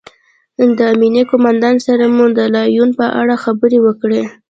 د امنیې قومندان سره مو د لاریون په اړه خبرې وکړې